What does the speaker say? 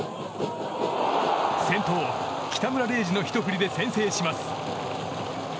先頭、北村怜士のひと振りで先制します。